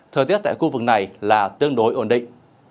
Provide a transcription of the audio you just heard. thời tiết tại khu vực này là tương đối ổn định